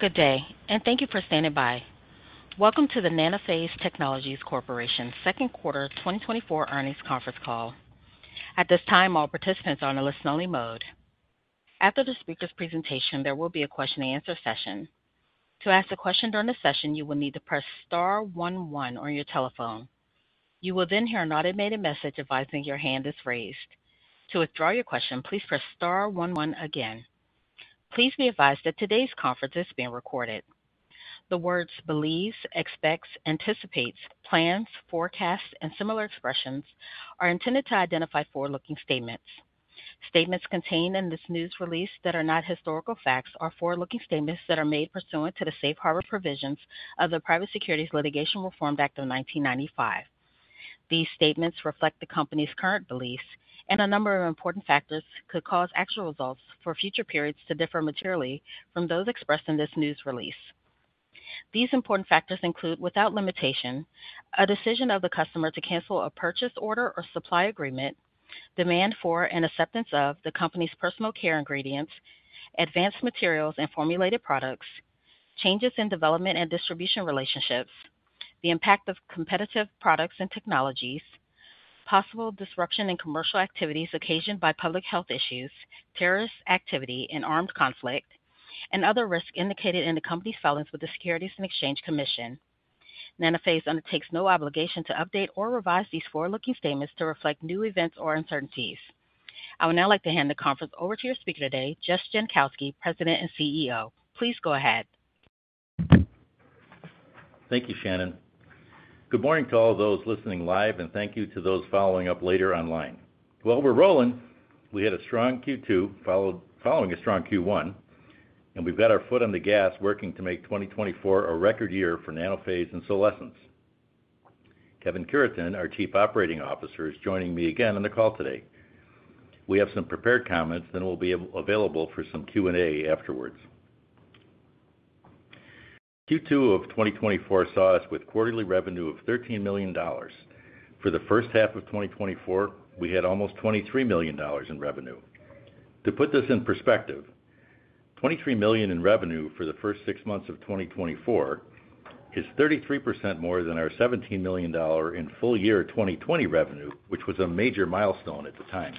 Good day, and thank you for standing by. Welcome to the Nanophase Technologies Corporation Q2 2024 Earnings Conference Call. At this time, all participants are on a listen-only mode. After the speaker's presentation, there will be a question-and-answer session. To ask a question during the session, you will need to press star one one on your telephone. You will then hear an automated message advising your hand is raised. To withdraw your question, please press star one one again. Please be advised that today's conference is being recorded. The words believes, expects, anticipates, plans, forecasts, and similar expressions are intended to identify forward-looking statements. Statements contained in this news release that are not historical facts are forward-looking statements that are made pursuant to the Safe Harbor Provisions of the Private Securities Litigation Reform Act of 1995. These statements reflect the company's current beliefs, and a number of important factors could cause actual results for future periods to differ materially from those expressed in this news release. These important factors include, without limitation, a decision of the customer to cancel a purchase order or supply agreement, demand for and acceptance of the company's personal care ingredients, advanced materials, and formulated products, changes in development and distribution relationships, the impact of competitive products and technologies, possible disruption in commercial activities occasioned by public health issues, terrorist activity, and armed conflict, and other risks indicated in the company's filings with the Securities and Exchange Commission. Nanophase undertakes no obligation to update or revise these forward-looking statements to reflect new events or uncertainties. I would now like to hand the conference over to your speaker today, Jess Jankowski, President and CEO. Please go ahead. Thank you, Shannon. Good morning to all those listening live, and thank you to those following up later online. Well, we're rolling. We had a strong Q2 following a strong Q1, and we've got our foot on the gas, working to make 2024 a record year for Nanophase and Solesence. Kevin Cureton, our Chief Operating Officer, is joining me again on the call today. We have some prepared comments, then we'll be available for some Q&A afterwards. Q2 of 2024 saw us with quarterly revenue of $13 million. For the first half of 2024, we had almost $23 million in revenue. To put this in perspective, $23 million in revenue for the first six months of 2024 is 33% more than our $17 million in full year 2020 revenue, which was a major milestone at the time.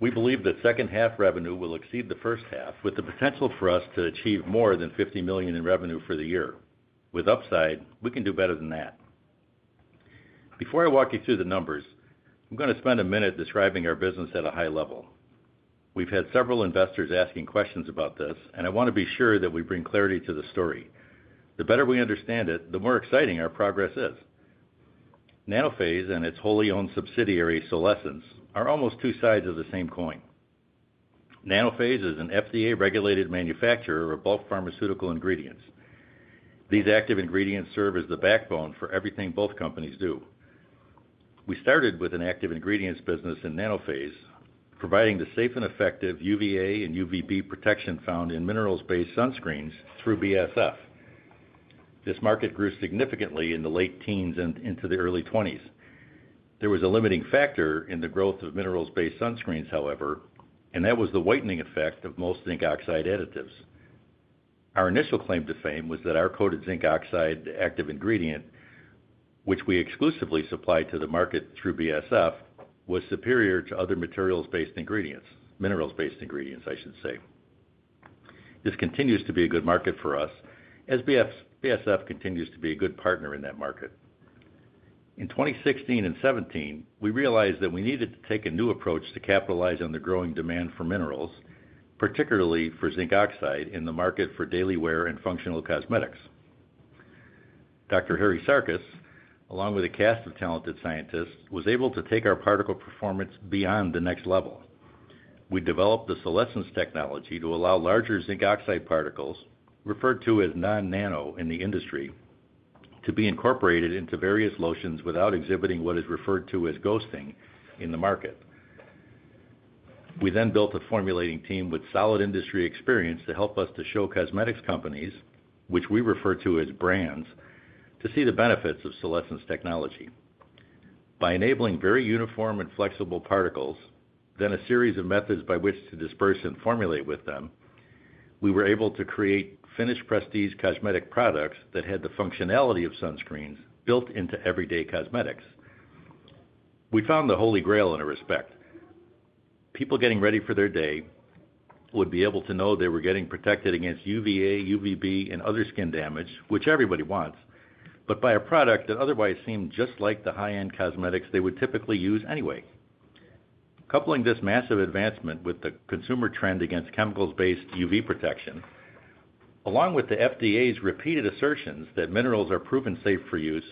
We believe that second half revenue will exceed the first half, with the potential for us to achieve more than $50 million in revenue for the year. With upside, we can do better than that. Before I walk you through the numbers, I'm gonna spend a minute describing our business at a high level. We've had several investors asking questions about this, and I want to be sure that we bring clarity to the story. The better we understand it, the more exciting our progress is. Nanophase and its wholly owned subsidiary, Solesence, are almost two sides of the same coin. Nanophase is an FDA-regulated manufacturer of bulk pharmaceutical ingredients. These active ingredients serve as the backbone for everything both companies do. We started with an active ingredients business in Nanophase, providing the safe and effective UVA and UVB protection found in minerals-based sunscreens through BASF. This market grew significantly in the late teens and into the early twenties. There was a limiting factor in the growth of minerals-based sunscreens, however, and that was the whitening effect of most zinc oxide additives. Our initial claim to fame was that our coated zinc oxide active ingredient, which we exclusively supplied to the market through BASF, was superior to other materials-based ingredients. Minerals-based ingredients, I should say. This continues to be a good market for us as BASF continues to be a good partner in that market. In 2016 and 2017, we realized that we needed to take a new approach to capitalize on the growing demand for minerals, particularly for zinc oxide, in the market for daily wear and functional cosmetics. Dr. Harry Sarkas, along with a cast of talented scientists, was able to take our particle performance beyond the next level. We developed the Solesence technology to allow larger zinc oxide particles, referred to as non-nano in the industry, to be incorporated into various lotions without exhibiting what is referred to as ghosting in the market. We then built a formulating team with solid industry experience to help us to show cosmetics companies, which we refer to as brands, to see the benefits of Solesence technology. By enabling very uniform and flexible particles, then a series of methods by which to disperse and formulate with them, we were able to create finished prestige cosmetic products that had the functionality of sunscreens built into everyday cosmetics. We found the Holy Grail in a respect. People getting ready for their day would be able to know they were getting protected against UVA, UVB, and other skin damage, which everybody wants, but by a product that otherwise seemed just like the high-end cosmetics they would typically use anyway. Coupling this massive advancement with the consumer trend against chemicals-based UV protection, along with the FDA's repeated assertions that minerals are proven safe for use,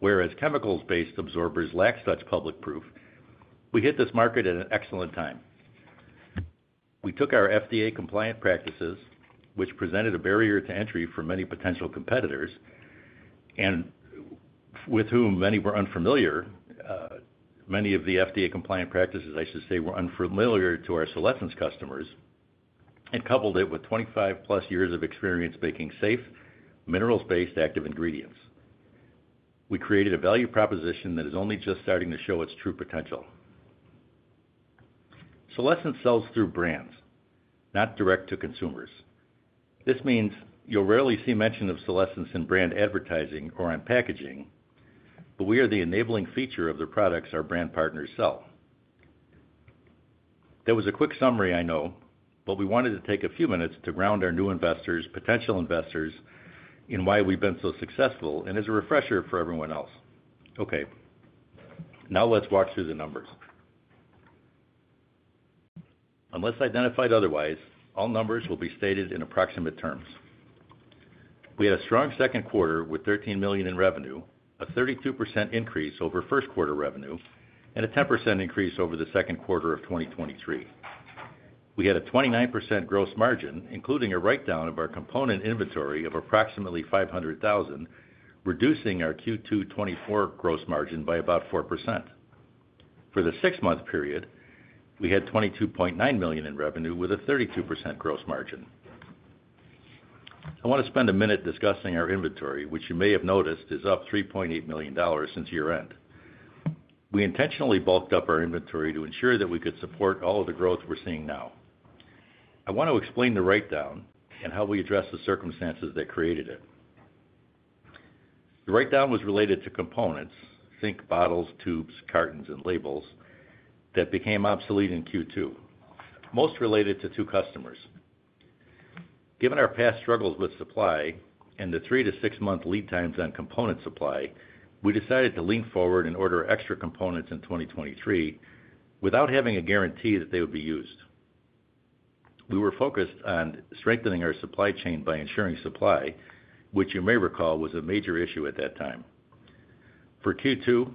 whereas chemicals-based absorbers lack such public proof, we hit this market at an excellent time. We took our FDA-compliant practices, which presented a barrier to entry for many potential competitors, and with whom many were unfamiliar. Many of the FDA-compliant practices, I should say, were unfamiliar to our Solesence customers and coupled it with 25+ years of experience making safe minerals-based active ingredients. We created a value proposition that is only just starting to show its true potential. Solesence sells through brands, not direct to consumers. This means you'll rarely see mention of Solesence in brand advertising or on packaging, but we are the enabling feature of the products our brand partners sell. That was a quick summary, I know, but we wanted to take a few minutes to ground our new investors, potential investors, in why we've been so successful, and as a refresher for everyone else. Okay, now let's walk through the numbers. Unless identified otherwise, all numbers will be stated in approximate terms. We had a strong Q2 with $13 million in revenue, a 32% increase over Q1 revenue, and a 10% increase over the Q2 of 2023. We had a 29% gross margin, including a write-down of our component inventory of approximately $500,000, reducing our Q2 2024 gross margin by about 4%. For the six-month period, we had $22.9 million in revenue with a 32% gross margin. I want to spend a minute discussing our inventory, which you may have noticed is up $3.8 million since year-end. We intentionally bulked up our inventory to ensure that we could support all of the growth we're seeing now. I want to explain the write-down and how we address the circumstances that created it. The write-down was related to components, think bottles, tubes, cartons, and labels, that became obsolete in Q2, most related to two customers. Given our past struggles with supply and the 3- to 6-month lead times on component supply, we decided to lean forward and order extra components in 2023 without having a guarantee that they would be used. We were focused on strengthening our supply chain by ensuring supply, which you may recall was a major issue at that time. For Q2,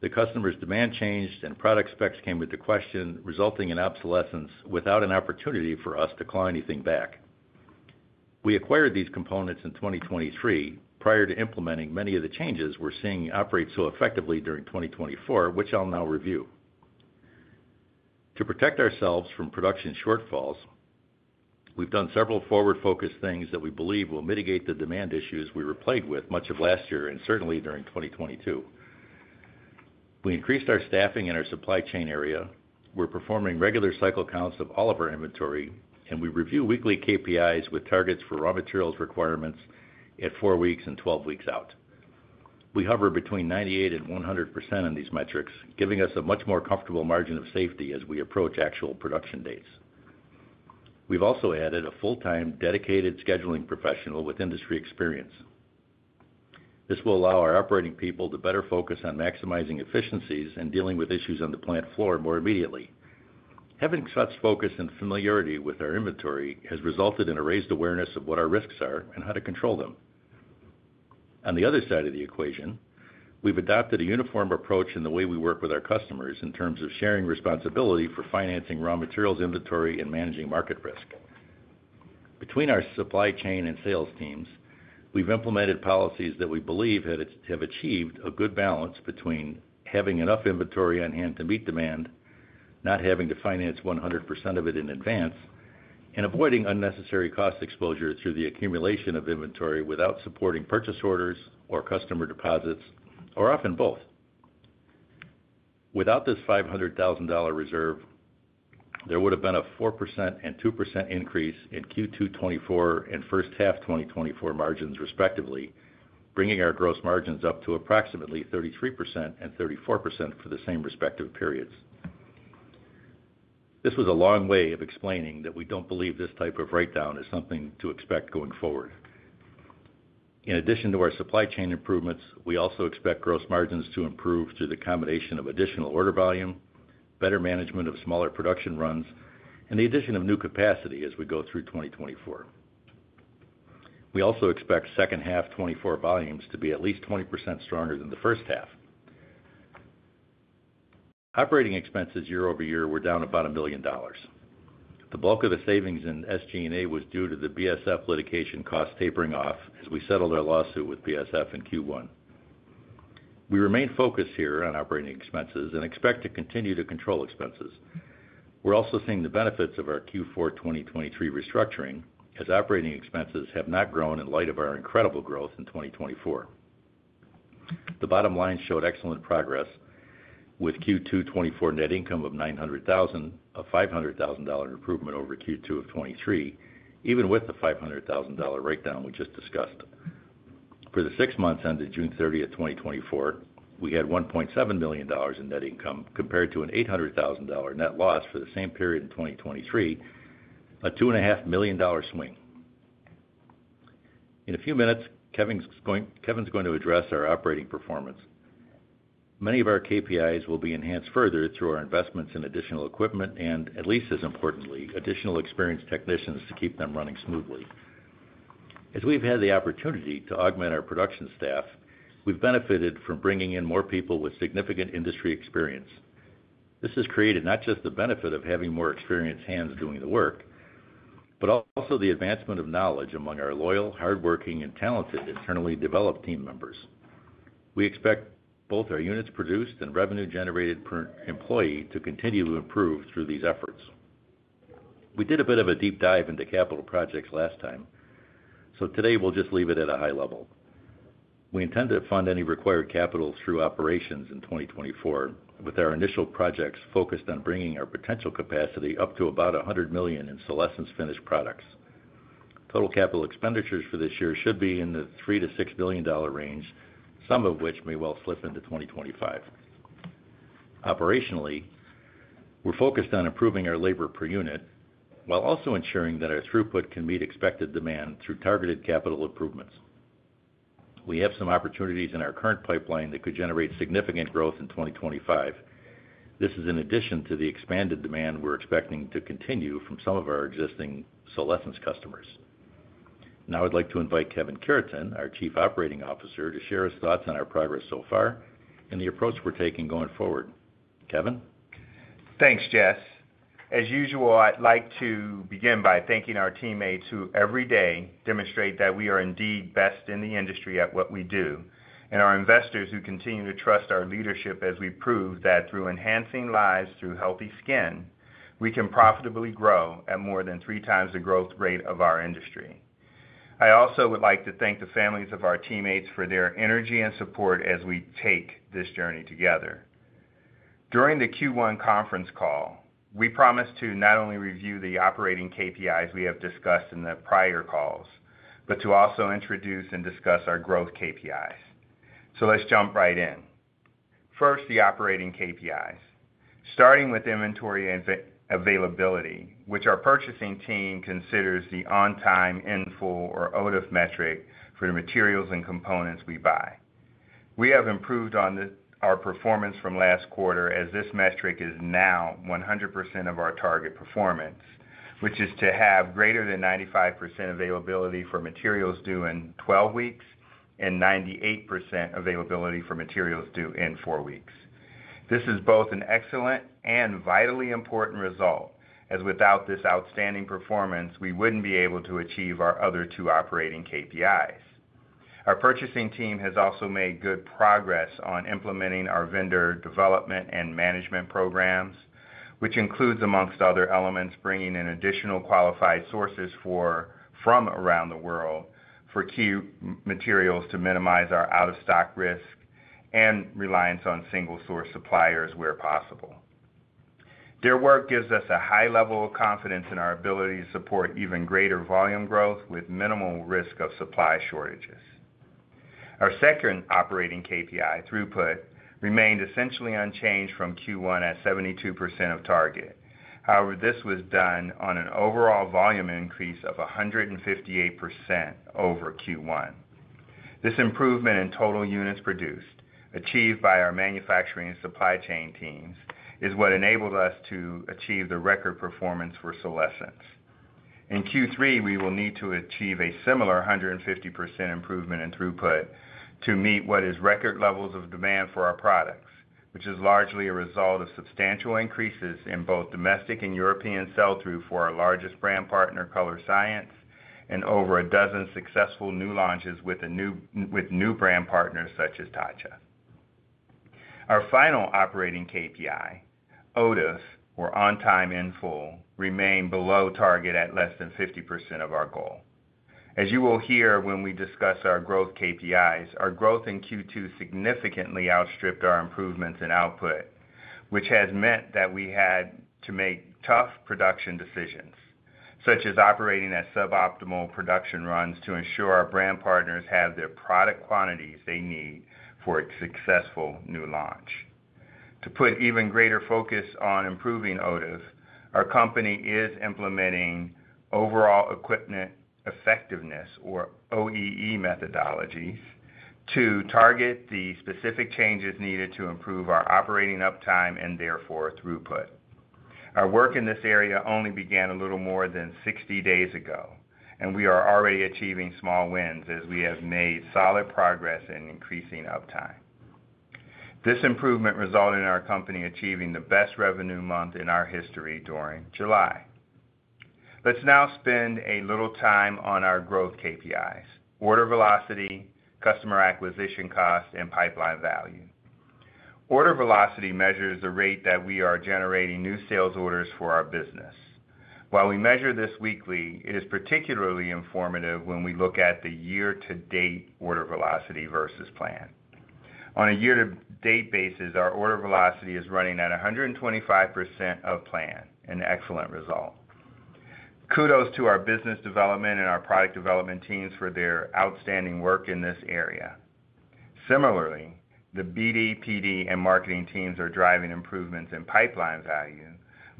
the customer's demand changed and product specs came into question, resulting in obsolescence without an opportunity for us to call anything back. We acquired these components in 2023, prior to implementing many of the changes we're seeing operate so effectively during 2024, which I'll now review. To protect ourselves from production shortfalls, we've done several forward-focused things that we believe will mitigate the demand issues we were plagued with much of last year and certainly during 2022. We increased our staffing in our supply chain area, we're performing regular cycle counts of all of our inventory, and we review weekly KPIs with targets for raw materials requirements at 4 weeks and 12 weeks out. We hover between 98% and 100% on these metrics, giving us a much more comfortable margin of safety as we approach actual production dates. We've also added a full-time, dedicated scheduling professional with industry experience. This will allow our operating people to better focus on maximizing efficiencies and dealing with issues on the plant floor more immediately. Having such focus and familiarity with our inventory has resulted in a raised awareness of what our risks are and how to control them. On the other side of the equation, we've adopted a uniform approach in the way we work with our customers in terms of sharing responsibility for financing raw materials inventory and managing market risk. Between our supply chain and sales teams, we've implemented policies that we believe have achieved a good balance between having enough inventory on hand to meet demand, not having to finance 100% of it in advance, and avoiding unnecessary cost exposure through the accumulation of inventory without supporting purchase orders or customer deposits, or often both. Without this $500,000 reserve, there would have been a 4% and 2% increase in Q2 2024 and first half 2024 margins, respectively, bringing our gross margins up to approximately 33% and 34% for the same respective periods. This was a long way of explaining that we don't believe this type of write-down is something to expect going forward. In addition to our supply chain improvements, we also expect gross margins to improve through the combination of additional order volume, better management of smaller production runs, and the addition of new capacity as we go through 2024. We also expect second half 2024 volumes to be at least 20% stronger than the first half. Operating expenses year-over-year were down about $1 million. The bulk of the savings in SG&A was due to the BASF litigation cost tapering off as we settled our lawsuit with BASF in Q1. We remain focused here on operating expenses and expect to continue to control expenses. We're also seeing the benefits of our Q4 2023 restructuring, as operating expenses have not grown in light of our incredible growth in 2024. The bottom line showed excellent progress with Q2 2024 net income of $900,000, a $500,000 improvement over Q2 2023, even with the $500,000 write-down we just discussed. For the six months ended June 30, 2024, we had $1.7 million in net income, compared to an $800,000 net loss for the same period in 2023, a $2.5 million swing. In a few minutes, Kevin's going to address our operating performance. Many of our KPIs will be enhanced further through our investments in additional equipment, and at least as importantly, additional experienced technicians to keep them running smoothly. As we've had the opportunity to augment our production staff, we've benefited from bringing in more people with significant industry experience. This has created not just the benefit of having more experienced hands doing the work, but also the advancement of knowledge among our loyal, hardworking, and talented internally developed team members. We expect both our units produced and revenue generated per employee to continue to improve through these efforts. We did a bit of a deep dive into capital projects last time, so today we'll just leave it at a high level. We intend to fund any required capital through operations in 2024, with our initial projects focused on bringing our potential capacity up to about 100 million in Solesence finished products. Total capital expenditures for this year should be in the $3 million-$6 billion range, some of which may well slip into 2025. Operationally, we're focused on improving our labor per unit, while also ensuring that our throughput can meet expected demand through targeted capital improvements. We have some opportunities in our current pipeline that could generate significant growth in 2025. This is in addition to the expanded demand we're expecting to continue from some of our existing Solesence customers. Now I'd like to invite Kevin Cureton, our Chief Operating Officer, to share his thoughts on our progress so far and the approach we're taking going forward. Kevin? Thanks, Jess. As usual, I'd like to begin by thanking our teammates, who every day demonstrate that we are indeed best in the industry at what we do, and our investors, who continue to trust our leadership as we prove that through enhancing lives through healthy skin, we can profitably grow at more than three times the growth rate of our industry. I also would like to thank the families of our teammates for their energy and support as we take this journey together. During the Q1 Conference Call, we promised to not only review the operating KPIs we have discussed in the prior calls, but to also introduce and discuss our growth KPIs. So let's jump right in. First, the operating KPIs. Starting with inventory availability, which our purchasing team considers the on-time, in-full, or OTIF metric for the materials and components we buy. We have improved on our performance from last quarter, as this metric is now 100% of our target performance, which is to have greater than 95% availability for materials due in 12 weeks and 98% availability for materials due in 4 weeks. This is both an excellent and vitally important result, as without this outstanding performance, we wouldn't be able to achieve our other 2 operating KPIs. Our purchasing team has also made good progress on implementing our vendor development and management programs, which includes, among other elements, bringing in additional qualified sources from around the world for key materials to minimize our out-of-stock risk and reliance on single-source suppliers where possible. Their work gives us a high level of confidence in our ability to support even greater volume growth with minimal risk of supply shortages. Our second operating KPI, throughput, remained essentially unchanged from Q1 at 72% of target. However, this was done on an overall volume increase of 158% over Q1. This improvement in total units produced, achieved by our manufacturing and supply chain teams, is what enabled us to achieve the record performance for Solesence. In Q3, we will need to achieve a similar 150% improvement in throughput to meet what is record levels of demand for our products, which is largely a result of substantial increases in both domestic and European sell-through for our largest brand partner, Colorescience, and over a dozen successful new launches with new brand partners, such as Tatcha. Our final operating KPI, OTIF, or on time in full, remained below target at less than 50% of our goal. As you will hear when we discuss our growth KPIs, our growth in Q2 significantly outstripped our improvements in output, which has meant that we had to make tough production decisions, such as operating at suboptimal production runs to ensure our brand partners have their product quantities they need for a successful new launch. To put even greater focus on improving OTIF, our company is implementing overall equipment effectiveness, or OEE methodologies, to target the specific changes needed to improve our operating uptime and therefore, throughput. Our work in this area only began a little more than 60 days ago, and we are already achieving small wins as we have made solid progress in increasing uptime. This improvement resulted in our company achieving the best revenue month in our history during July. Let's now spend a little time on our growth KPIs: order velocity, customer acquisition cost, and pipeline value. Order velocity measures the rate that we are generating new sales orders for our business. While we measure this weekly, it is particularly informative when we look at the year-to-date order velocity versus plan. On a year-to-date basis, our order velocity is running at 125% of plan, an excellent result. Kudos to our business development and our product development teams for their outstanding work in this area. Similarly, the BD, PD, and marketing teams are driving improvements in pipeline value,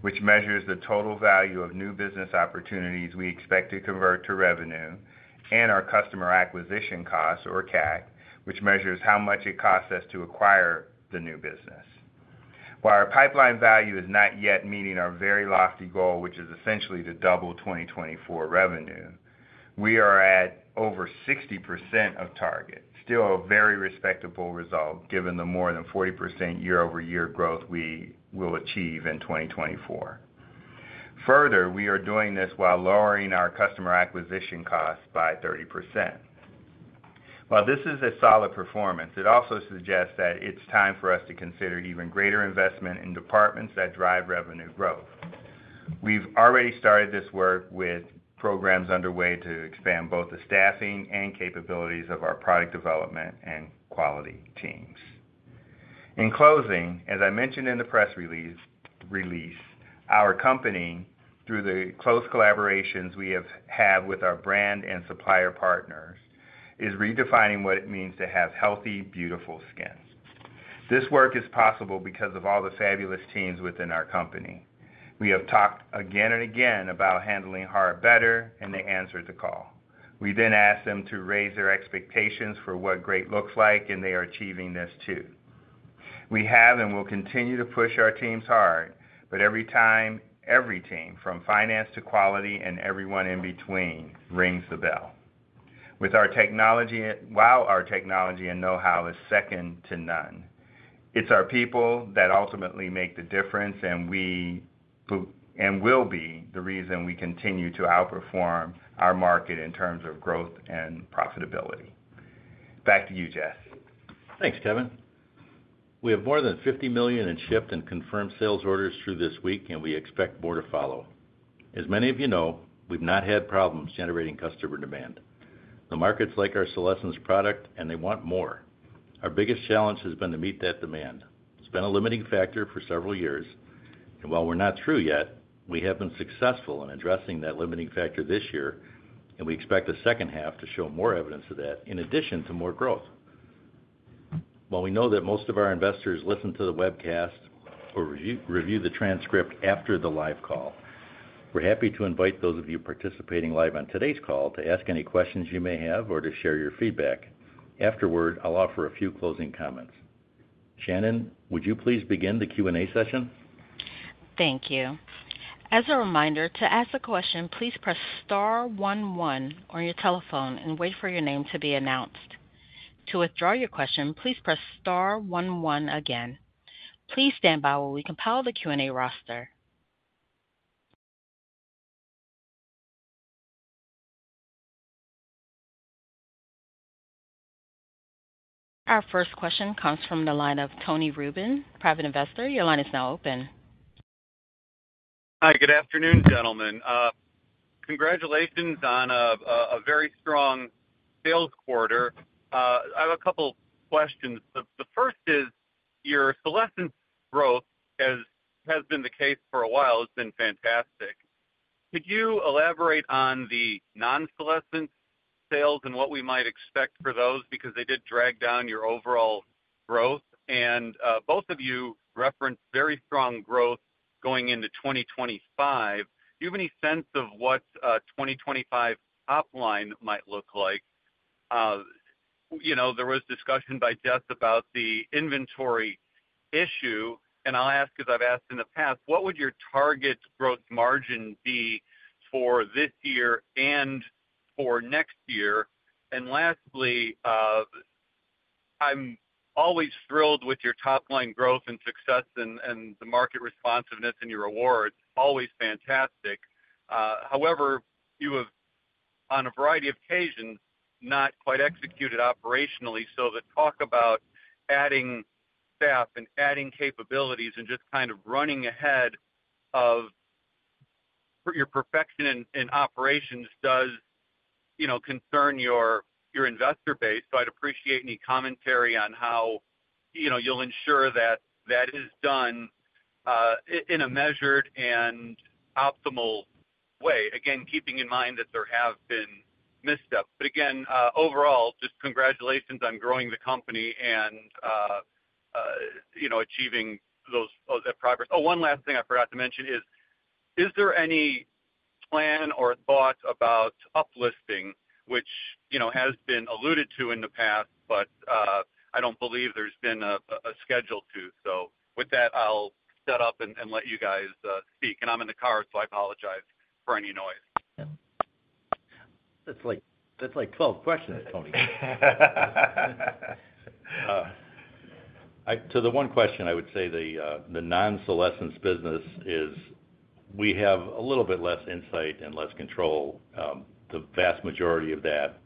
which measures the total value of new business opportunities we expect to convert to revenue and our customer acquisition costs, or CAC, which measures how much it costs us to acquire the new business. While our pipeline value is not yet meeting our very lofty goal, which is essentially to double 2024 revenue, we are at over 60% of target. Still a very respectable result, given the more than 40% year-over-year growth we will achieve in 2024. Further, we are doing this while lowering our customer acquisition costs by 30%. While this is a solid performance, it also suggests that it's time for us to consider even greater investment in departments that drive revenue growth. We've already started this work with programs underway to expand both the staffing and capabilities of our product development and quality teams. In closing, as I mentioned in the press release, our company, through the close collaborations we have had with our brand and supplier partners, is redefining what it means to have healthy, beautiful skin. This work is possible because of all the fabulous teams within our company. We have talked again and again about handling hard better, and they answered the call. We then asked them to raise their expectations for what great looks like, and they are achieving this, too. We have and will continue to push our teams hard, but every time, every team, from finance to quality and everyone in between, rings the bell. With our technology, while our technology and know-how is second to none, it's our people that ultimately make the difference, and will be the reason we continue to outperform our market in terms of growth and profitability. Back to you, Jess. Thanks, Kevin. We have more than $50 million in shipped and confirmed sales orders through this week, and we expect more to follow. As many of you know, we've not had problems generating customer demand. The markets like our Solesence product, and they want more. Our biggest challenge has been to meet that demand. It's been a limiting factor for several years, and while we're not through yet, we have been successful in addressing that limiting factor this year, and we expect the second half to show more evidence of that, in addition to more growth. While we know that most of our investors listen to the webcast or review the transcript after the live call, we're happy to invite those of you participating live on today's call to ask any questions you may have or to share your feedback. Afterward, I'll offer a few closing comments. Shannon, would you please begin the Q&A session? Thank you. As a reminder, to ask a question, please press star one one on your telephone and wait for your name to be announced. To withdraw your question, please press star one one again. Please stand by while we compile the Q&A roster. Our first question comes from the line of Tony Rubin, private investor. Your line is now open. Hi, good afternoon, gentlemen. Congratulations on a very strong sales quarter. I have a couple questions. The first is, your Solesence growth, as has been the case for a while, has been fantastic. Could you elaborate on the non-Solesence sales and what we might expect for those? Because they did drag down your overall growth. And both of you referenced very strong growth going into 2025. Do you have any sense of what a 2025 top line might look like? You know, there was discussion by Jess about the inventory issue, and I'll ask, as I've asked in the past, what would your target growth margin be for this year and for next year? And lastly, I'm always thrilled with your top-line growth and success and the market responsiveness and your awards, always fantastic. However, you have, on a variety of occasions, not quite executed operationally. So the talk about adding staff and adding capabilities and just kind of running ahead of your perfection in operations does, you know, concern your investor base. So I'd appreciate any commentary on how, you know, you'll ensure that that is done, in a measured and optimal way. Again, keeping in mind that there have been missteps. But again, overall, just congratulations on growing the company and, you know, achieving those, that progress. Oh, one last thing I forgot to mention is there any plan or thought about uplisting, which, you know, has been alluded to in the past, but I don't believe there's been a schedule to. So with that, I'll shut up and let you guys speak. I'm in the car, so I apologize for any noise. That's like, that's like 12 questions, Tony. So the one question I would say, the non-Solesence business is, we have a little bit less insight and less control. The vast majority of that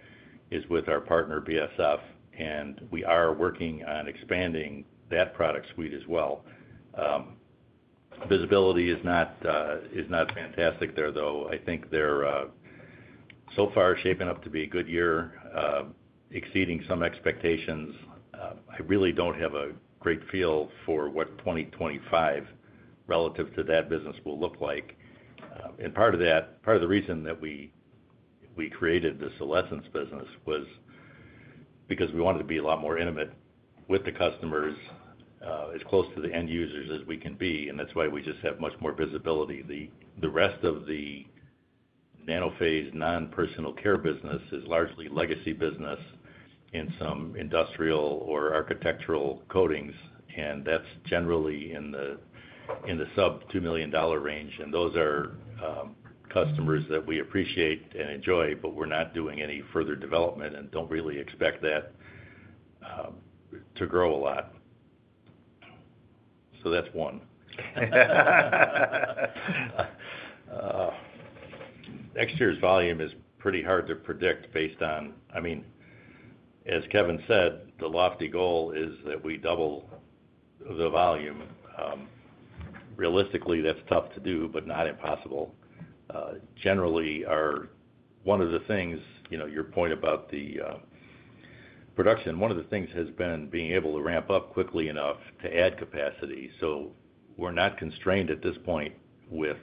is with our partner, BASF, and we are working on expanding that product suite as well. Visibility is not fantastic there, though. I think they're so far shaping up to be a good year, exceeding some expectations. I really don't have a great feel for what 2025 relative to that business will look like. And part of that, part of the reason that we, we created the Solesence business was because we wanted to be a lot more intimate with the customers, as close to the end users as we can be, and that's why we just have much more visibility. The rest of the Nanophase non-personal care business is largely legacy business in some industrial or architectural coatings, and that's generally in the sub-$2 million range. And those are customers that we appreciate and enjoy, but we're not doing any further development and don't really expect that to grow a lot. So that's one. Next year's volume is pretty hard to predict based on—I mean, as Kevin said, the lofty goal is that we double the volume. Realistically, that's tough to do, but not impossible. Generally, our one of the things, you know, your point about the production, one of the things has been being able to ramp up quickly enough to add capacity. So we're not constrained at this point with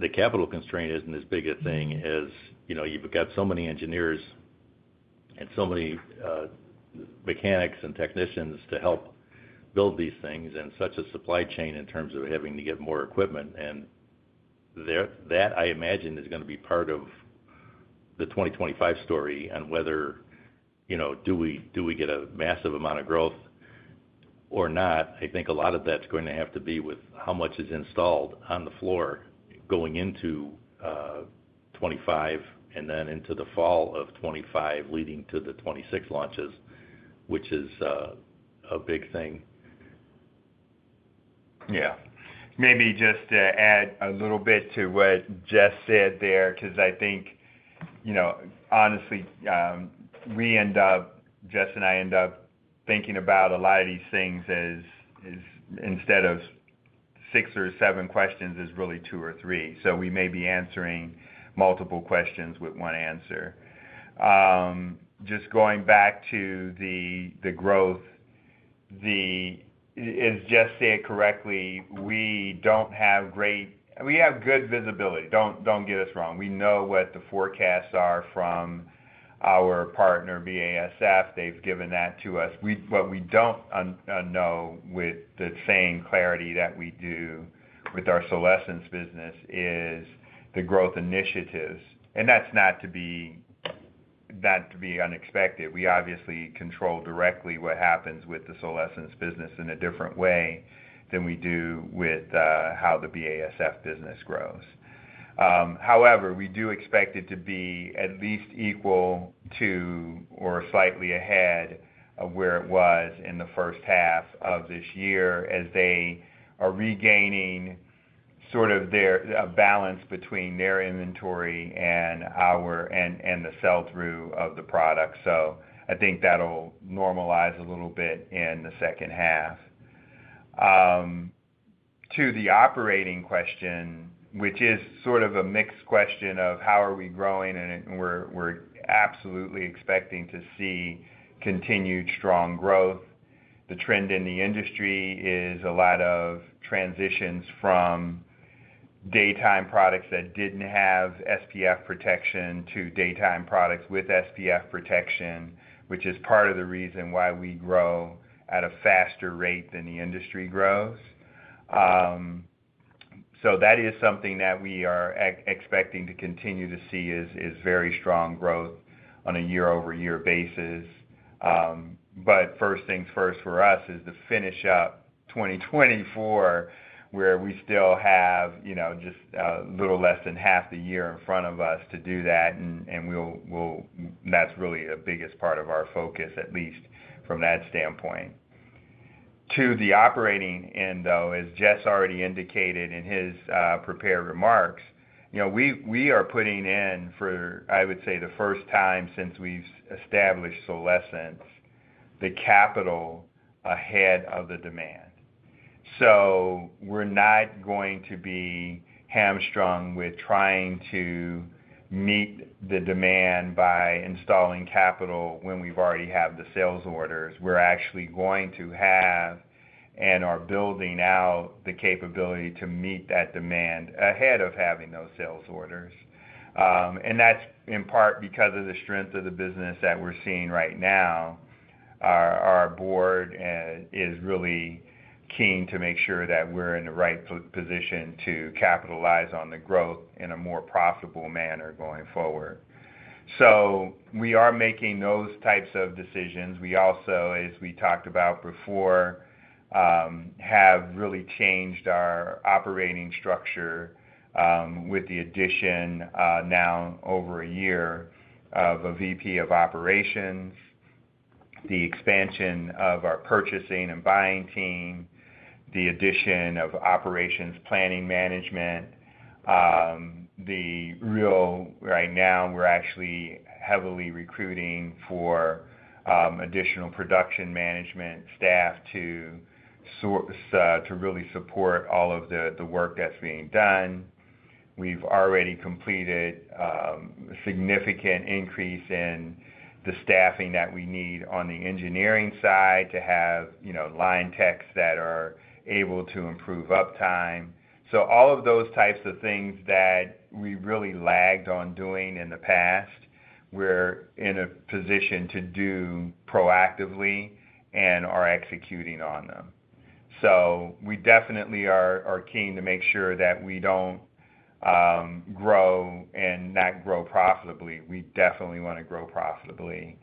the capital constraint isn't as big a thing as, you know, you've got so many engineers and so many mechanics and technicians to help build these things, and such a supply chain in terms of having to get more equipment. And there, that, I imagine, is gonna be part of the 2025 story on whether, you know, do we, do we get a massive amount of growth or not? I think a lot of that's going to have to be with how much is installed on the floor going into 2025, and then into the fall of 2025, leading to the 2026 launches, which is a big thing. Yeah. Maybe just to add a little bit to what Jess said there, because I think, you know, honestly, we end up, Jess and I end up thinking about a lot of these things as, as instead of six or seven questions, is really two or three, so we may be answering multiple questions with one answer. Just going back to the growth, as Jess said correctly, we don't have great... We have good visibility, don't get us wrong. We know what the forecasts are from our partner, BASF. They've given that to us. What we don't know with the same clarity that we do with our Solesence business is the growth initiatives, and that's not to be unexpected. We obviously control directly what happens with the Solesence business in a different way than we do with how the BASF business grows. However, we do expect it to be at least equal to, or slightly ahead of where it was in the first half of this year, as they are regaining sort of their balance between their inventory and the sell-through of the product. So I think that'll normalize a little bit in the second half. To the operating question, which is sort of a mixed question of how are we growing, and we're absolutely expecting to see continued strong growth. The trend in the industry is a lot of transitions from daytime products that didn't have SPF protection to daytime products with SPF protection, which is part of the reason why we grow at a faster rate than the industry grows. So that is something that we are expecting to continue to see, is very strong growth on a year-over-year basis. But first things first for us, is to finish up 2024, where we still have, you know, just little less than half the year in front of us to do that, and we'll-- that's really the biggest part of our focus, at least from that standpoint. To the operating end, though, as Jess already indicated in his prepared remarks, you know, we are putting in for, I would say, the first time since we've established Solesence, the capital ahead of the demand. So we're not going to be hamstrung with trying to meet the demand by installing capital when we've already have the sales orders. We're actually going to have and are building out the capability to meet that demand ahead of having those sales orders. And that's in part because of the strength of the business that we're seeing right now. Our board is really keen to make sure that we're in the right position to capitalize on the growth in a more profitable manner going forward. So we are making those types of decisions. We also, as we talked about before, have really changed our operating structure, with the addition, now over a year of a VP of operations, the expansion of our purchasing and buying team, the addition of operations planning management. Right now, we're actually heavily recruiting for additional production management staff to source, to really support all of the, the work that's being done. We've already completed significant increase in the staffing that we need on the engineering side to have, you know, line techs that are able to improve uptime. So all of those types of things that we really lagged on doing in the past, we're in a position to do proactively and are executing on them. So we definitely are, are keen to make sure that we don't grow and not grow profitably. We definitely wanna grow profitably,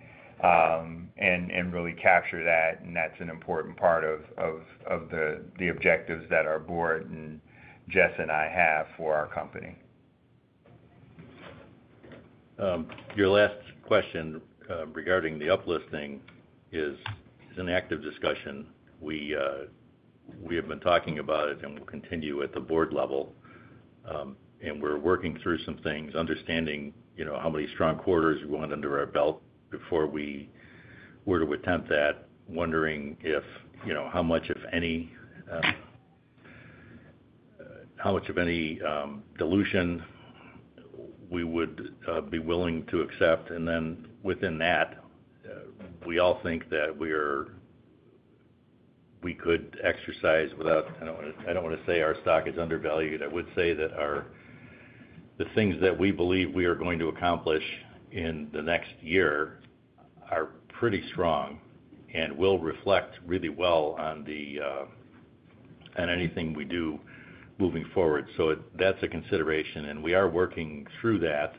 and really capture that, and that's an important part of the objectives that our board and Jess and I have for our company. ...your last question, regarding the uplisting is an active discussion. We, we have been talking about it and will continue at the board level. And we're working through some things, understanding, you know, how many strong quarters we want under our belt before we were to attempt that. Wondering if, you know, how much, if any, how much of any, dilution we would be willing to accept. And then within that, we all think that we're-- we could exercise without... I don't wanna, I don't wanna say our stock is undervalued. I would say that our-- the things that we believe we are going to accomplish in the next year are pretty strong and will reflect really well on the, on anything we do moving forward. So that's a consideration, and we are working through that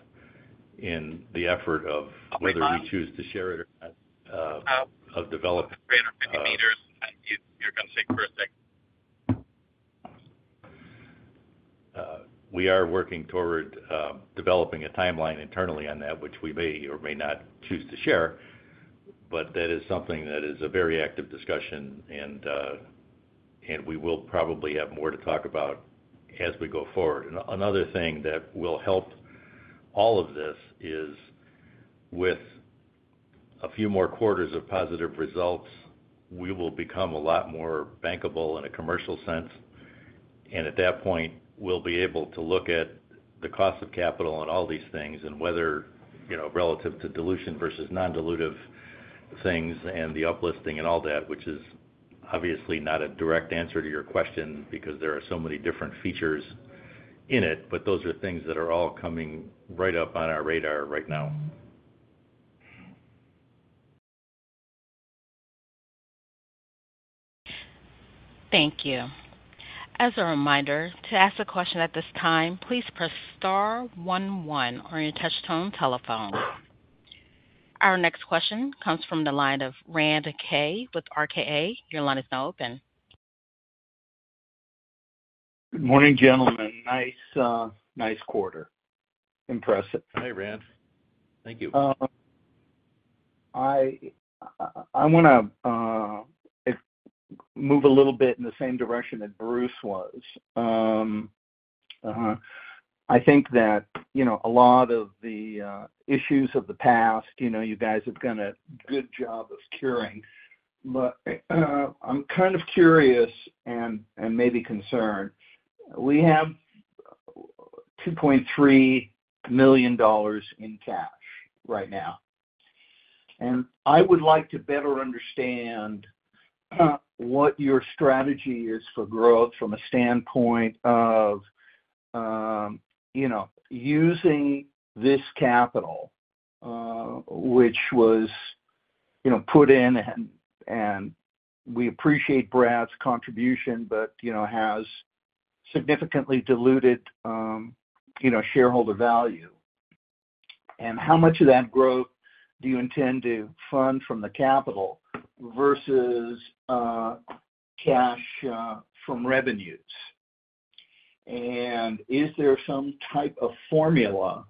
in the effort of whether we choose to share it or not, of development. We are working toward developing a timeline internally on that, which we may or may not choose to share, but that is something that is a very active discussion, and we will probably have more to talk about as we go forward. Another thing that will help all of this is, with a few more quarters of positive results, we will become a lot more bankable in a commercial sense. At that point, we'll be able to look at the cost of capital and all these things and whether, you know, relative to dilution versus non-dilutive things and the uplisting and all that, which is obviously not a direct answer to your question because there are so many different features in it, but those are things that are all coming right up on our radar right now. Thank you. As a reminder, to ask a question at this time, please press star one one on your touchtone telephone. Our next question comes from the line of Rand Kay with RKA. Your line is now open. Good morning, gentlemen. Nice, nice quarter. Impressive. Hey, Rand. Thank you. I wanna move a little bit in the same direction that Bruce was. I think that, you know, a lot of the issues of the past, you know, you guys have done a good job of curing. But I'm kind of curious and maybe concerned. We have $2.3 million in cash right now, and I would like to better understand what your strategy is for growth from a standpoint of, you know, using this capital, which was, you know, put in, and we appreciate Brad's contribution, but, you know, has significantly diluted, you know, shareholder value. And how much of that growth do you intend to fund from the capital versus cash from revenues? Is there some type of formula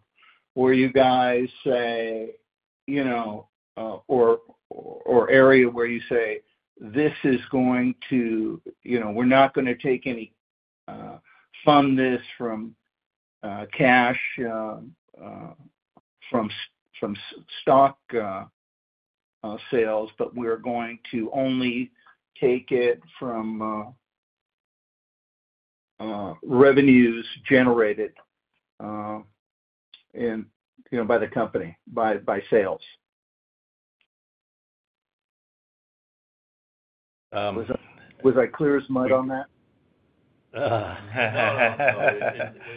where you guys say, you know, or area where you say, "This is going to... You know, we're not gonna take any funding from cash from stock sales, but we're going to only take it from revenues generated and, you know, by the company by sales? Um- Was I clear as mud on that? I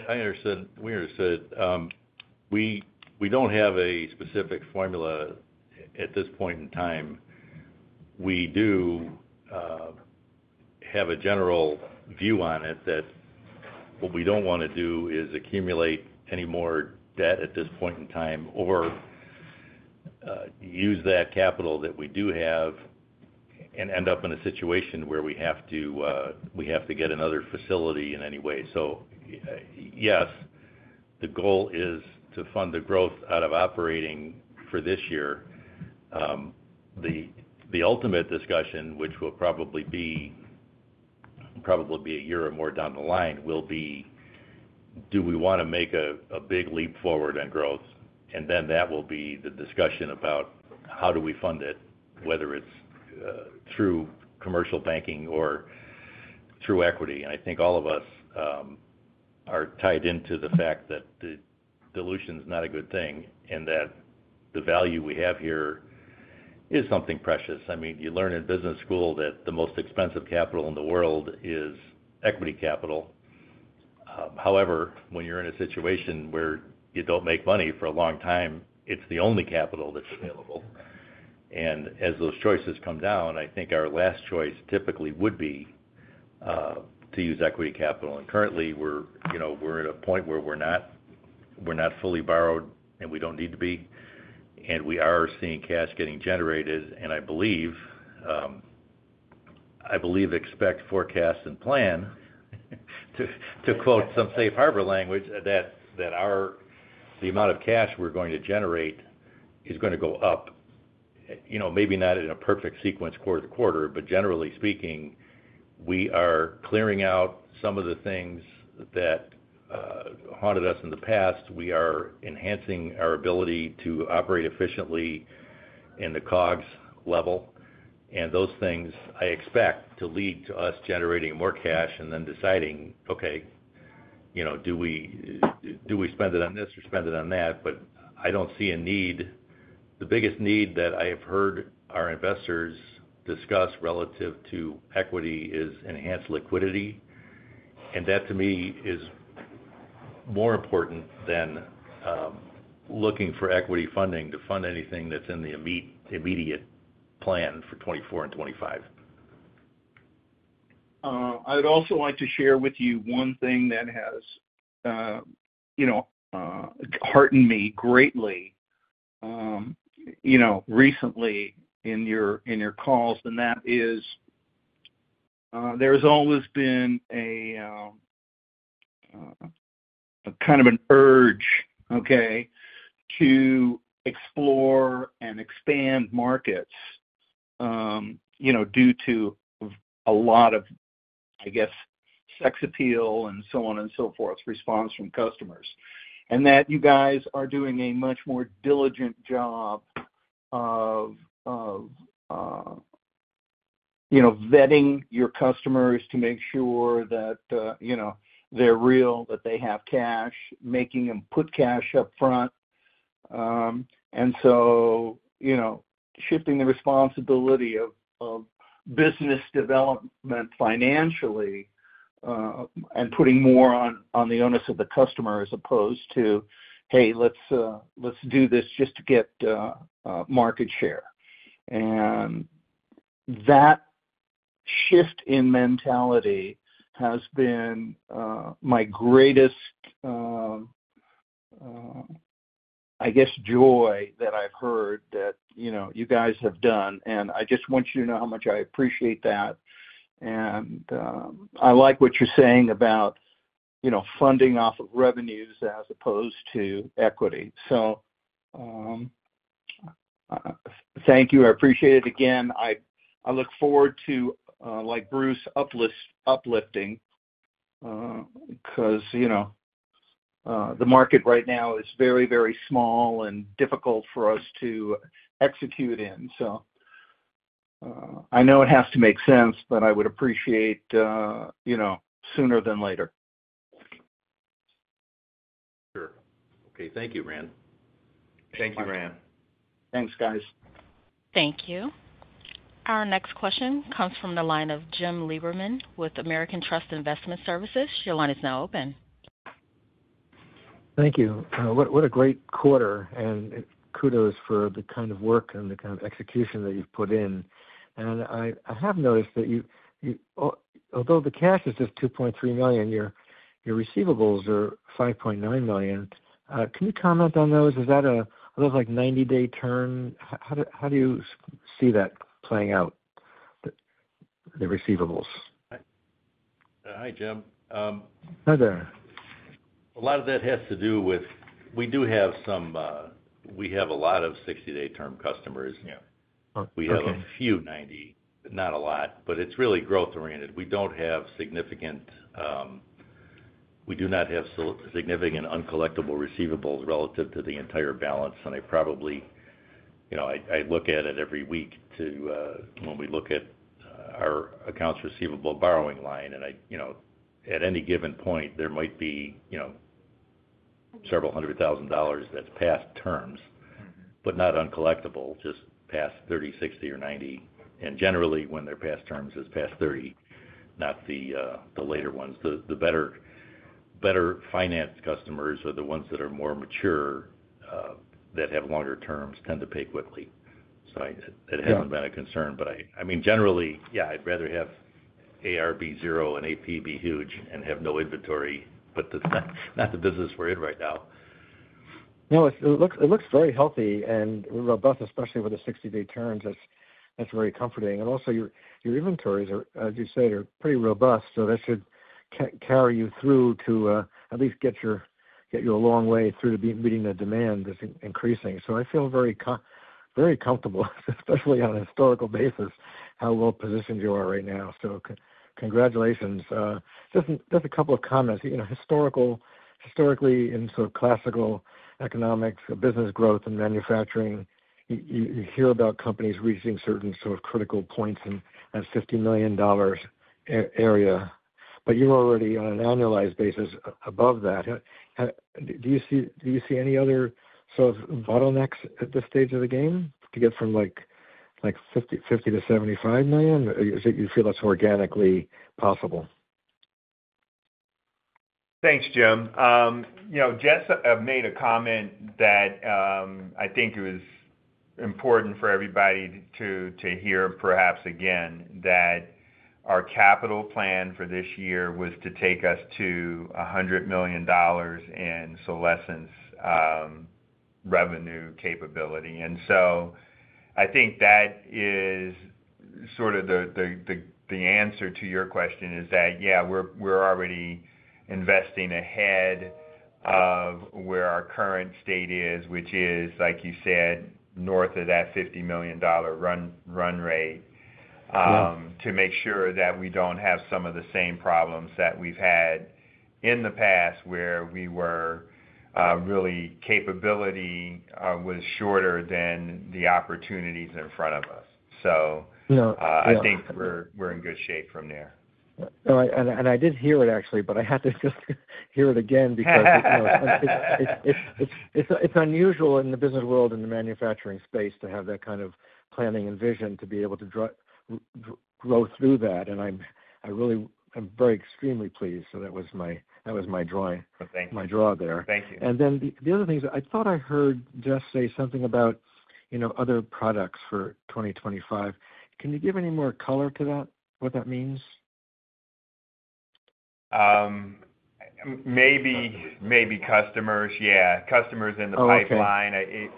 understand. We understood. We don't have a specific formula at this point in time. We do have a general view on it, that what we don't wanna do is accumulate any more debt at this point in time, or use that capital that we do have and end up in a situation where we have to get another facility in any way. So, yes, the goal is to fund the growth out of operating for this year. The ultimate discussion, which will probably be a year or more down the line, will be: Do we wanna make a big leap forward on growth? And then that will be the discussion about how do we fund it, whether it's through commercial banking or through equity. And I think all of us are tied into the fact that the dilution's not a good thing and that the value we have here is something precious. I mean, you learn in business school that the most expensive capital in the world is equity capital. However, when you're in a situation where you don't make money for a long time, it's the only capital that's available. And as those choices come down, I think our last choice typically would be to use equity capital. And currently, we're, you know, we're at a point where we're not, we're not fully borrowed, and we don't need to be, and we are seeing cash getting generated. And I believe, I believe, expect, forecast, and plan, to, to quote some safe harbor language, that, that our, the amount of cash we're going to generate is gonna go up. You know, maybe not in a perfect sequence quarter to quarter, but generally speaking, we are clearing out some of the things that haunted us in the past. We are enhancing our ability to operate efficiently in the COGS level. And those things, I expect to lead to us generating more cash and then deciding, okay, you know, do we, do we spend it on this or spend it on that? But I don't see a need. The biggest need that I have heard our investors discuss relative to equity is enhanced liquidity, and that to me is more important than looking for equity funding to fund anything that's in the immediate plan for 2024 and 2025. I'd also like to share with you one thing that has, you know, heartened me greatly, you know, recently in your, in your calls, and that is, there's always been a, a kind of an urge, okay, to explore and expand markets, you know, due to a lot of, I guess, sex appeal and so on and so forth, response from customers. And that you guys are doing a much more diligent job of, of, you know, vetting your customers to make sure that, you know, they're real, that they have cash, making them put cash up front. And so, you know, shifting the responsibility of business development financially, and putting more on the onus of the customer as opposed to, "Hey, let's do this just to get market share." And that shift in mentality has been my greatest, I guess, joy that I've heard that, you know, you guys have done, and I just want you to know how much I appreciate that. And I like what you're saying about, you know, funding off of revenues as opposed to equity. So, thank you. I appreciate it again. I look forward to, like Bruce, uplisting, 'cause, you know, the market right now is very, very small and difficult for us to execute in.I know it has to make sense, but I would appreciate, you know, sooner than later. Sure. Okay. Thank you, Rand. Thank you, Rand. Thanks, guys. Thank you. Our next question comes from the line of James Lieberman with American Trust Investment Services. Your line is now open. Thank you. What a great quarter, and kudos for the kind of work and the kind of execution that you've put in. I have noticed that although the cash is just $2.3 million, your receivables are $5.9 million. Can you comment on those? Are those like 90-day term? How do you see that playing out, the receivables? Hi, James. Hi there. A lot of that has to do with... We do have some, we have a lot of 60-day term customers. You know- Oh, okay. We have a few ninety, not a lot, but it's really growth-oriented. We don't have significant, we do not have significant uncollectible receivables relative to the entire balance, and I probably, you know, I look at it every week to when we look at our accounts receivable borrowing line, and I, you know, at any given point, there might be, you know, several $100,000 that's past terms- Mm-hmm. -but not uncollectible, just past 30, 60, or 90. And generally, when they're past terms, it's past 30, not the, the later ones. The, the better financed customers are the ones that are more mature, that have longer terms, tend to pay quickly. So I, it- Yeah... hasn't been a concern, but I mean, generally, yeah, I'd rather have ARB zero and AP be huge and have no inventory, but that's not the business we're in right now. No, it looks, it looks very healthy and robust, especially with the 60-day terms. That's, that's very comforting. And also, your, your inventories are, as you say, are pretty robust, so that should carry you through to at least get you a long way through to be meeting the demand that's increasing. So I feel very comfortable, especially on a historical basis, how well-positioned you are right now. So congratulations. Just, just a couple of comments. You know, historically, in sort of classical economics, business growth and manufacturing, you, you, you hear about companies reaching certain sort of critical points and that's $50 million area, but you're already on an annualized basis above that. Do you see, do you see any other sort of bottlenecks at this stage of the game to get from, like, $50 million-$75 million? Or you, you feel that's organically possible? Thanks, James. You know, Jess made a comment that, I think it was important for everybody to hear perhaps again, that our capital plan for this year was to take us to $100 million in Solesence revenue capability. And so I think that is sort of the answer to your question, is that, yeah, we're already investing ahead of where our current state is, which is, like you said, north of that $50 million run rate, to make sure that we don't have some of the same problems that we've had in the past, where we were really capability was shorter than the opportunities in front of us. So- You know, yeah. I think we're in good shape from there. No, and I did hear it actually, but I had to just hear it again because it's unusual in the business world, in the manufacturing space, to have that kind of planning and vision to be able to grow through that. And I really am very extremely pleased. So that was my drawing. Well, thank you. My draw there. Thank you. And then the other thing is, I thought I heard Jess say something about, you know, other products for 2025. Can you give any more color to that? What that means? Maybe, maybe customers. Yeah, customers in the pipeline. Oh, okay.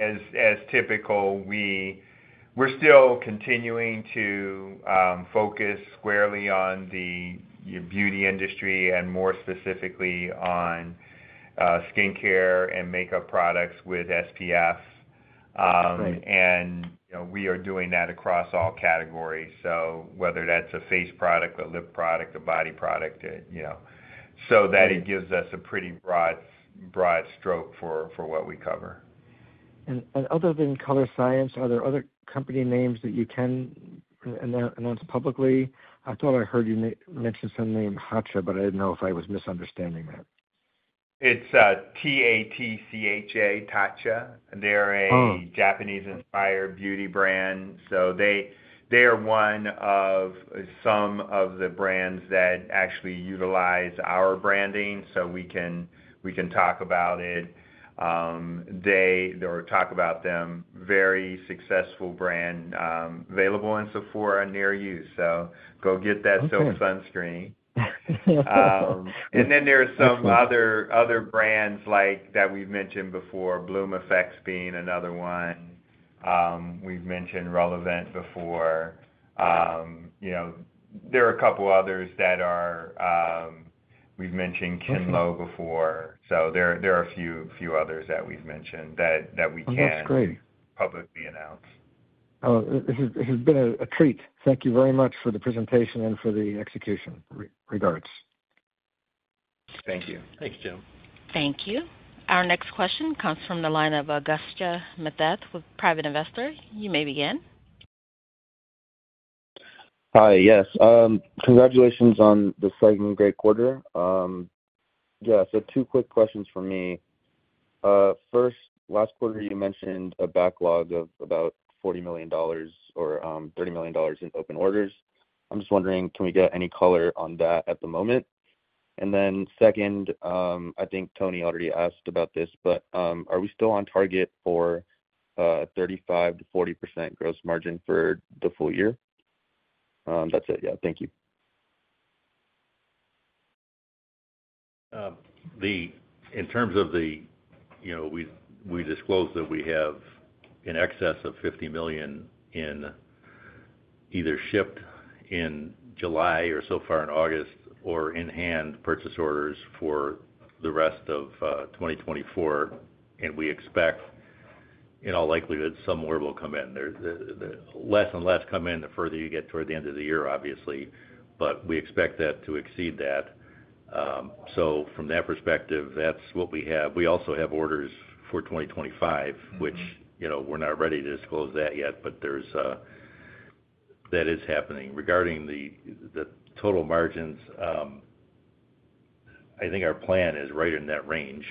As typical, we're still continuing to focus squarely on the beauty industry, and more specifically on skincare and makeup products with SPF. Okay. You know, we are doing that across all categories. So whether that's a face product, a lip product, a body product, it. You know. So that it gives us a pretty broad, broad stroke for, for what we cover. Other than Colorescience, are there other company names that you can announce publicly? I thought I heard you mention some name, Tatcha, but I didn't know if I was misunderstanding that. It's T-A-T-C-H-A, Tatcha. Oh. They're a Japanese-inspired beauty brand, so they are one of some of the brands that actually utilize our branding, so we can talk about it or talk about them. Very successful brand, available in Sephora near you. So go get that soap sunscreen. And then there are some other brands like that we've mentioned before, Bloomeffects being another one. We've mentioned Relevant before. You know, there are a couple others that are... We've mentioned KINLÒ before. Okay. So there are a few others that we've mentioned that we can- Oh, that's great. - publicly announce. Oh, this has been a treat. Thank you very much for the presentation and for the execution. Regards. Thank you. Thanks, James. Thank you. Our next question comes from the line of Augusta Mateth with Private Investor. You may begin. Hi. Yes, congratulations on the second great quarter. Yeah, so two quick questions for me. First, last quarter you mentioned a backlog of about $40 million or, thirty million dollars in open orders. I'm just wondering, can we get any color on that at the moment? And then second, I think Tony already asked about this, but, are we still on target for, 35%-40% gross margin for the full year? That's it. Yeah, thank you. In terms of the, you know, we disclosed that we have in excess of $50 million in either shipped in July or so far in August, or in-hand purchase orders for the rest of 2024. We expect, in all likelihood, some more will come in. There's less and less come in, the further you get toward the end of the year, obviously, but we expect that to exceed that. So from that perspective, that's what we have. We also have orders for 2025- Mm-hmm. - which, you know, we're not ready to disclose that yet, but there's, that is happening. Regarding the total margins, I think our plan is right in that range,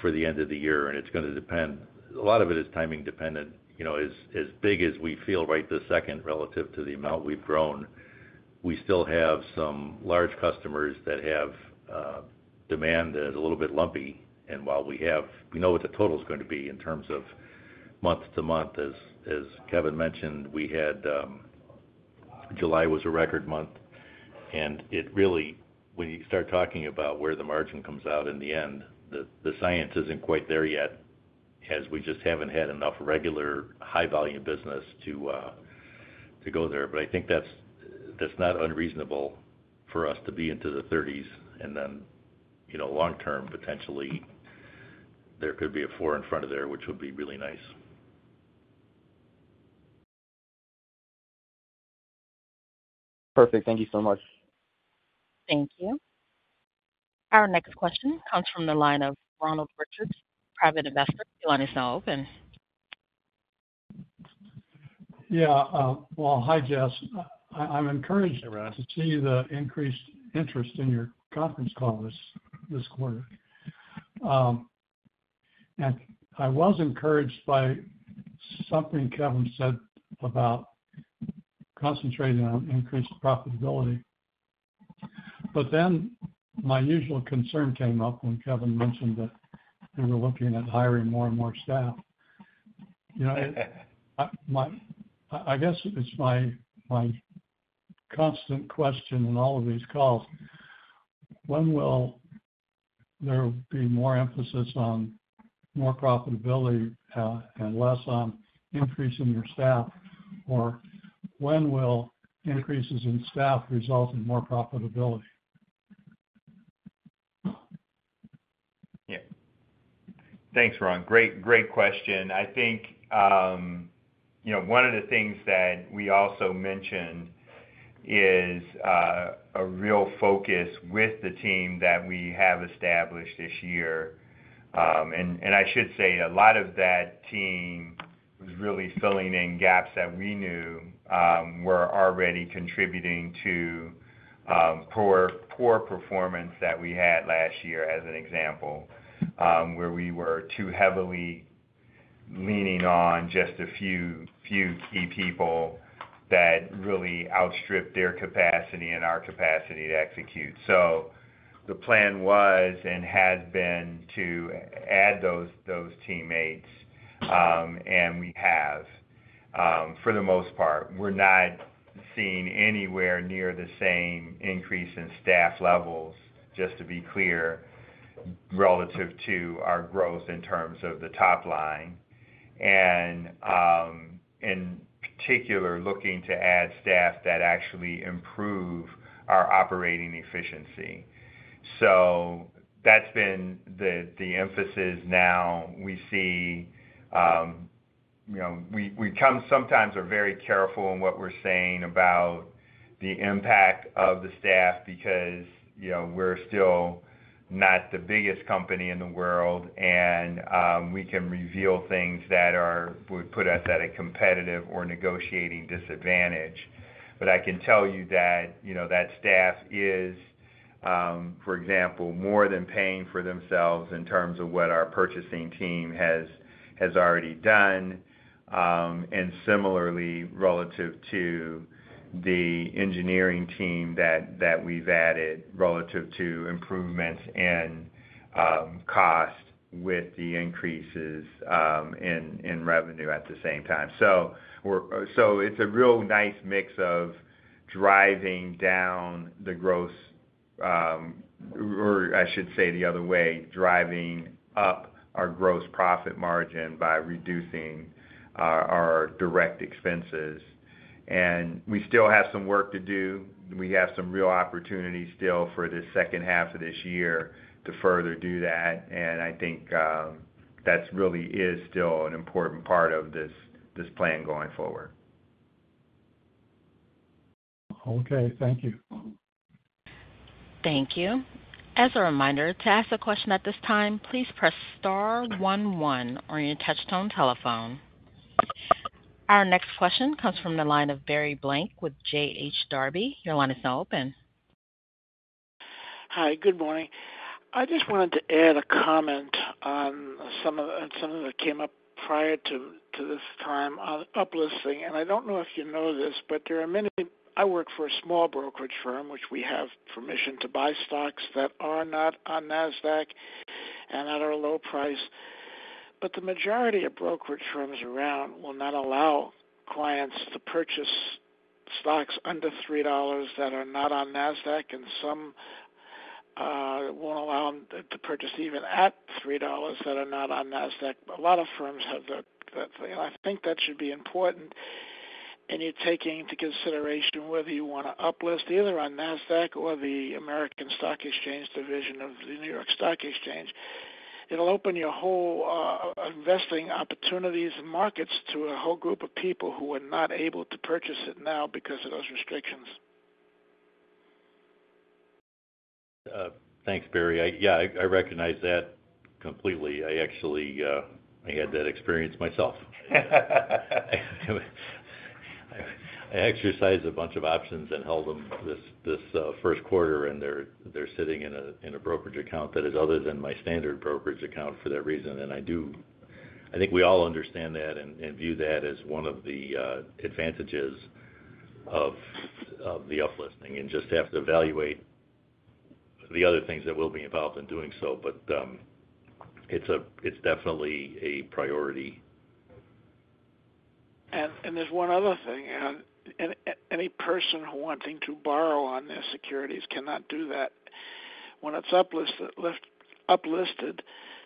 for the end of the year, and it's gonna depend. A lot of it is timing dependent. You know, as big as we feel right this second relative to the amount we've grown, we still have some large customers that have, demand that is a little bit lumpy. And while we have, we know what the total is gonna be in terms of month to month, as Kevin mentioned, we had, July was a record month. And it really, when you start talking about where the margin comes out in the end, the science isn't quite there yet, as we just haven't had enough regular, high-volume business to, to go there. But I think that's, that's not unreasonable for us to be into the 30s. And then, you know, long term, potentially, there could be a 4 in front of there, which would be really nice. Perfect. Thank you so much. Thank you. Our next question comes from the line of Ronald Richards, private investor. You want to open. Yeah. Well, hi, Jess. I'm encouraged to see the increased interest in your Conference Call this quarter. I was encouraged by something Kevin said about concentrating on increased profitability. But then my usual concern came up when Kevin mentioned that you were looking at hiring more and more staff. You know, I guess it's my constant question in all of these calls: When will there be more emphasis on more profitability, and less on increasing your staff? Or when will increases in staff result in more profitability? Yeah. Thanks, Ron. Great, great question. I think, you know, one of the things that we also mentioned is a real focus with the team that we have established this year. And I should say, a lot of that team was really filling in gaps that we knew were already contributing to poor, poor performance that we had last year, as an example, where we were too heavily leaning on just a few, few key people that really outstripped their capacity and our capacity to execute. So the plan was, and has been, to add those teammates, and we have. For the most part, we're not seeing anywhere near the same increase in staff levels, just to be clear, relative to our growth in terms of the top line, and, in particular, looking to add staff that actually improve our operating efficiency. So that's been the emphasis now. We see, you know... We sometimes are very careful in what we're saying about the impact of the staff because, you know, we're still not the biggest company in the world, and, we can reveal things that would put us at a competitive or negotiating disadvantage. But I can tell you that, you know, that staff is, for example, more than paying for themselves in terms of what our purchasing team has already done. And similarly, relative to the engineering team that we've added, relative to improvements in cost with the increases in revenue at the same time. So it's a real nice mix of driving down the gross... Or I should say the other way, driving up our gross profit margin by reducing our direct expenses. We still have some work to do. We have some real opportunities still for the second half of this year to further do that, and I think that's really is still an important part of this plan going forward. Okay, thank you. Thank you. As a reminder, to ask a question at this time, please press star one one on your touchtone telephone. Our next question comes from the line of Barry Blank with J.H. Darbie. Your line is now open. Hi, good morning. I just wanted to add a comment on some of that came up prior to this time on uplisting. And I don't know if you know this, but there are many. I work for a small brokerage firm, which we have permission to buy stocks that are not on NASDAQ and that are low price. But the majority of brokerage firms around will not allow clients to purchase stocks under $3 that are not on NASDAQ, and some won't allow them to purchase even at $3 that are not on NASDAQ. A lot of firms have that thing. I think that should be important, and you take into consideration whether you want to uplist, either on NASDAQ or the American Stock Exchange division of the New York Stock Exchange. It'll open your whole, investing opportunities and markets to a whole group of people who are not able to purchase it now because of those restrictions. Thanks, Barry. Yeah, I recognize that completely. I actually had that experience myself. I exercised a bunch of options and held them this Q1, and they're sitting in a brokerage account that is other than my standard brokerage account for that reason. And I do - I think we all understand that and view that as one of the advantages of the uplisting, and just have to evaluate the other things that will be involved in doing so. But it's a... It's definitely a priority. There's one other thing. Any person wanting to borrow on their securities cannot do that. When it's uplisted,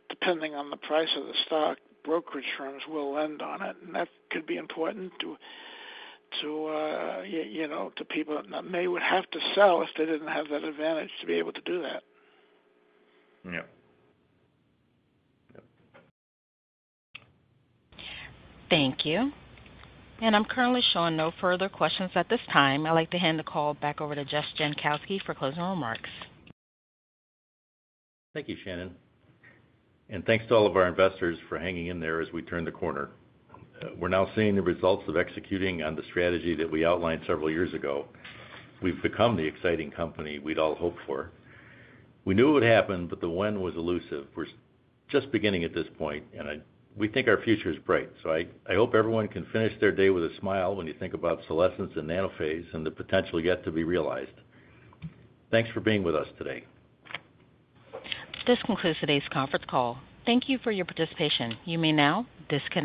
depending on the price of the stock, brokerage firms will lend on it, and that could be important to, to, you know, to people that may would have to sell if they didn't have that advantage to be able to do that. Yep. Yep. Thank you. I'm currently showing no further questions at this time. I'd like to hand the call back over to Jess Jankowski for closing remarks. Thank you, Shannon, and thanks to all of our investors for hanging in there as we turn the corner. We're now seeing the results of executing on the strategy that we outlined several years ago. We've become the exciting company we'd all hoped for. We knew it would happen, but the when was elusive. We're just beginning at this point, and we think our future is bright. So I hope everyone can finish their day with a smile when you think about Solesence and Nanophase and the potential yet to be realized. Thanks for being with us today. This concludes today's Conference Call. Thank you for your participation. You may now disconnect.